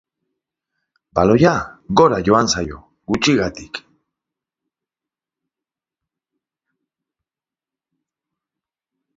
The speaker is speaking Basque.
Baloia gora joan zaio, gutxigatik.